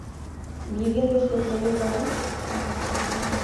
Не ведаеш, як мяне завуць?